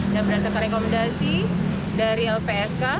dan berdasarkan rekomendasi dari lpsk